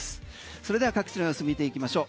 それでは各地の様子見ていきましょう。